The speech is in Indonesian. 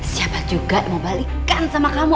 siapa juga yang mau balikan sama kamu